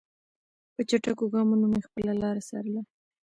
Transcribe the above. په چټکو ګامونو مې خپله لاره څارله.